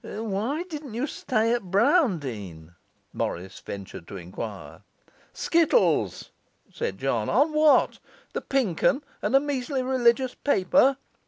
'Why didn't you stay at Browndean?' Morris ventured to enquire. 'Skittles!' said John. 'On what? The Pink Un and a measly religious paper?